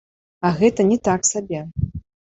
А гэта не так сабе.